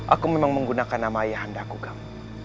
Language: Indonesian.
aku memang menggunakan nama ayah anda agam